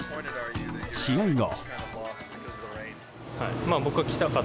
試合後。